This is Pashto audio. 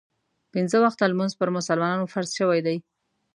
پنځه وخته لمونځ پر مسلمانانو فرض شوی دی.